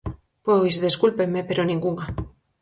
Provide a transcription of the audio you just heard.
Pois, descúlpenme, pero ningunha.